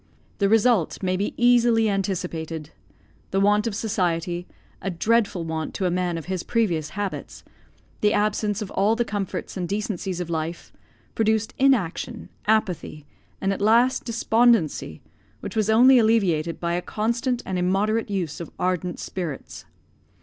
The result may be easily anticipated. The want of society a dreadful want to a man of his previous habits the absence of all the comforts and decencies of life, produced inaction, apathy, and at last, despondency, which was only alleviated by a constant and immoderate use of ardent spirits.